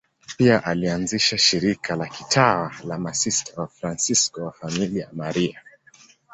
Pia alianzisha shirika la kitawa la Masista Wafransisko wa Familia ya Maria.